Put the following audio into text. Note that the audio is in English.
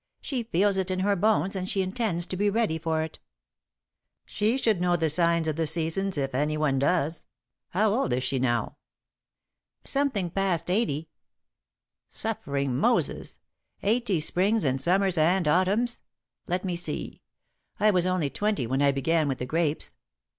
She feels it in her bones and she intends to be ready for it." "She should know the signs of the seasons, if anyone does. How old is she now?" "Something past eighty." "Suffering Moses! Eighty Springs and Summers and Autumns! Let me see I was only twenty when I began with the grapes.